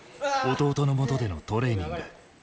弟のもとでのトレーニング。